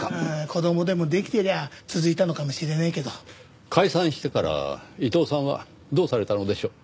子供でもできてりゃ続いたのかもしれねえけど。解散してから伊藤さんはどうされたのでしょう？